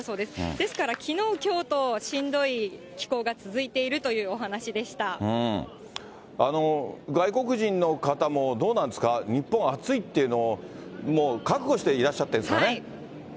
ですからきのう、きょうとしんどい気候が続いているというお話で外国人の方もどうなんですか、日本は暑いっていうのをもう覚悟していらっしゃってるんですかね。